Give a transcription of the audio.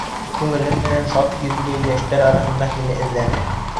Күңелем менән шат йөҙлө йәштәр араһынан һине эҙләнем.